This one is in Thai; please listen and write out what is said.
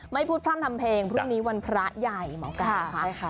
ไม่พูดพร่ำทำเพลงพรุ่งนี้วันพระใหญ่หมอไก่ค่ะ